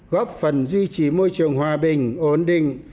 góp phần duy trì môi trường hòa bình ổn định